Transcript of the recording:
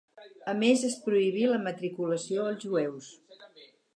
A més, es prohibí la matriculació als jueus.